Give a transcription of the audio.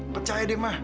percaya deh ma